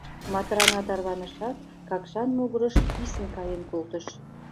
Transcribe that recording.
Матрана тарванышат, Какшан могырыш писын каен колтыш.